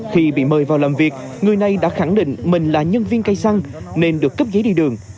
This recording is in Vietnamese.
khi bị mời vào làm việc người này đã khẳng định mình là nhân viên cây xăng nên được cấp giấy đi đường